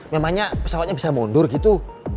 memangnya pesawatnya bisa mundur gitu